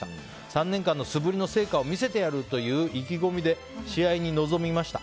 ３年間の素振りの成果を見せてやる！という意気込みで試合に臨みました。